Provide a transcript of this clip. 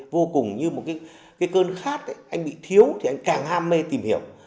vô cùng như một cái cơn khát anh bị thiếu thì anh càng ham mê tìm hiểu